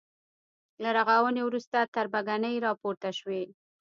له رغاونې وروسته تربګنۍ راپورته شوې.